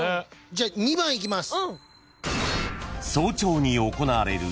じゃあ２番いきます。